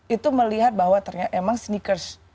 itu melihat bahwa ternyata emang sneakers